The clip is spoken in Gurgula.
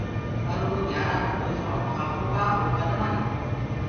پر اُرو گھيارآ ڪوُ تو شونڪ آپوڪآ وو ڪد مآني۔